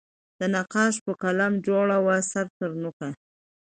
د نقاش په قلم جوړ وو سر ترنوکه